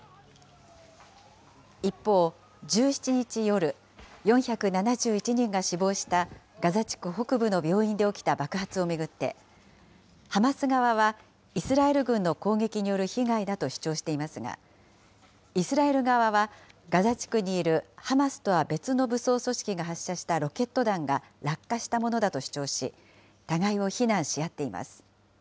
一方、１７日夜、４７１人が死亡したガザ地区北部の病院で起きた爆発を巡って、ハマス側は、イスラエル軍の攻撃による被害だと主張していますが、イスラエル側は、ガザ地区にいるハマスとは別の武装組織が発射したロケット弾が落下したものだと主張し、互いを非難し合っています。